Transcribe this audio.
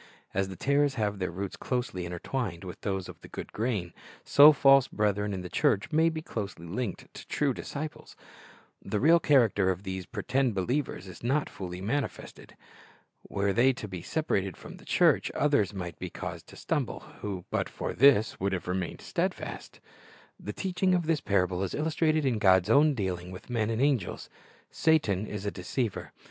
As the tares have their roots closely intertwined with those of the good grain, so false brethren in the church may be closely linked with true disciples. The real character of these pretended believers is not fully manifested. Were they to be separated from the church, others might be caused to stumble, who but for this would have remained steadfast. The teaching of this parable is illustrated in God's own dealing with men and angels. Satan is a deceiver.